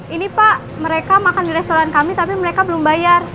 ini pak mereka makan di restoran kami tapi mereka belum bayar